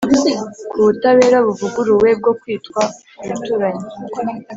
kubutabera buvuguruwe bwokwita ku baturanyi